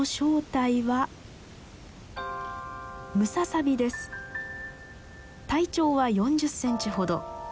体長は４０センチほど。